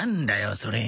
それ。